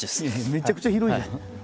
めちゃくちゃ広いじゃん。